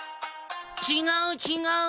ちがうちがう。